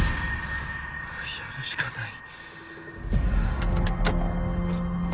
やるしかない。